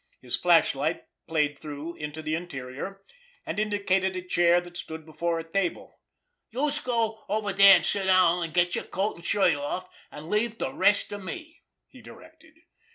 His flashlight played through into the interior, and indicated a chair that stood before a table. "Youse go over dere an' sit down, an' get yer coat an' shirt off, an' leave de rest to me," he directed.